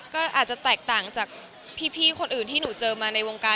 ก็อาจจะแตกต่างจากพี่คนอื่นที่หนูเจอมาในวงการ